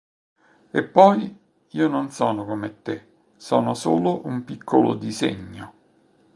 E poi... io non sono come te... sono solo un piccolo disegno!